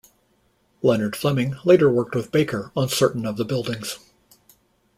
Leonard Fleming later worked with Baker on certain of the buildings.